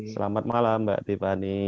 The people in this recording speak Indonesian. selamat malam mbak tiffany